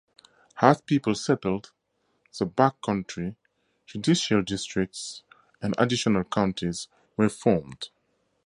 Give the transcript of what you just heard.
As people settled the backcountry, judicial districts and additional counties were formed.